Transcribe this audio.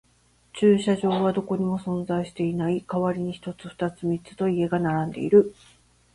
駐車場はどこにも存在していない。代わりに一つ、二つ、三つと家が並んでいる。